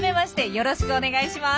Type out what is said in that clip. よろしくお願いします。